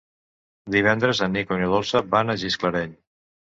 Divendres en Nico i na Dolça van a Gisclareny.